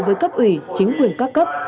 với cấp ủy chính quyền các cấp